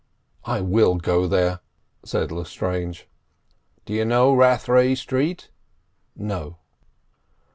"I will go there," said Lestrange. "Do you know Rathray Street?" "No."